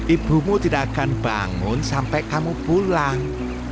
ibumu tidak akan bangun sampai kamu pulang